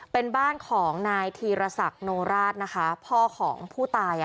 เป็นบ้านของนายธีรษักโนราชพ่อของผู้ตาย